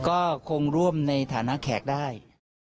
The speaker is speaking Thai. ก็คงร่วมในฐานะแขกได้